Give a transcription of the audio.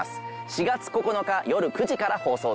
４月９日よる９時から放送です